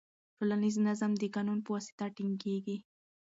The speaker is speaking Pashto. ټولنیز نظم د قانون په واسطه ټینګیږي.